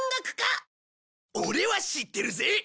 オレは知ってるぜ。